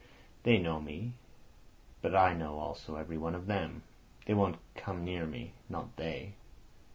"They know me, but I know also every one of them. They won't come near me—not they."